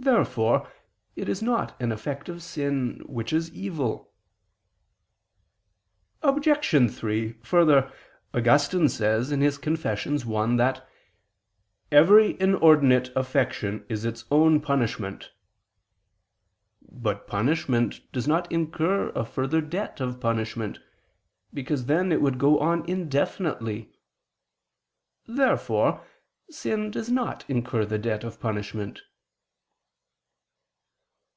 Therefore it is not an effect of sin, which is evil. Obj. 3: Further, Augustine says (Confess. i) that "every inordinate affection is its own punishment." But punishment does not incur a further debt of punishment, because then it would go on indefinitely. Therefore sin does not incur the debt of punishment.